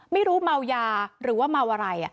ไม่รู้เมายาหรือว่าเมาอะไร